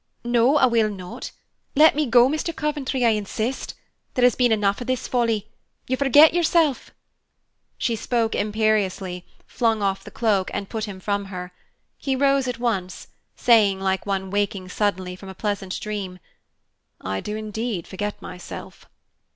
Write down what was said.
"No, I will not. Let me go, Mr. Coventry, I insist. There has been enough of this folly. You forget yourself." She spoke imperiously, flung off the cloak, and put him from her. He rose at once, saying, like one waking suddenly from a pleasant dream, "I do indeed forget myself."